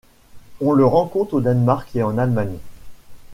On le rencontre au Danemark et en Allemagne.